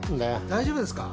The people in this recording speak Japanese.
大丈夫ですか？